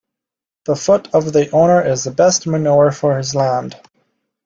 The foot of the owner is the best manure for his land.